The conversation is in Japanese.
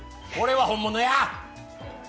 これは本物や！